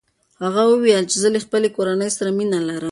هغه وویل چې زه له خپلې کورنۍ سره مینه لرم.